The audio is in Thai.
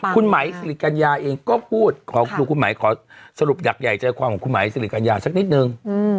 คุณไหมสิริกัญญาเองก็พูดขอดูคุณหมายขอสรุปยักใหญ่ใจความของคุณไหมสิริกัญญาสักนิดนึง